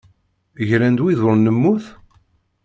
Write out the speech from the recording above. Gran-d wid ur nemmut?